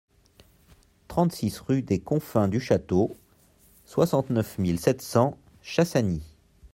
trente-six rue des Confins du Château, soixante-neuf mille sept cents Chassagny